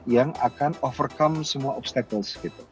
yang akan overcome semua obstacles